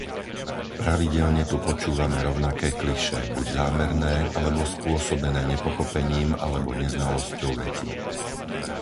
Pravidelne tu počúvame rovnaké klišé, buď zámerné, alebo spôsobené nepochopením alebo neznalosťou veci.